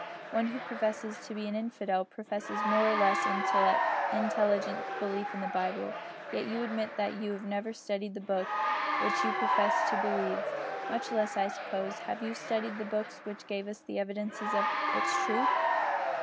One who professes to be an infidel professes more or less intelligent disbelief in the Bible, yet you admit that you have never studied the book which you profess to disbelieve much less, I suppose, have you studied the books which give us the evidences of its truth."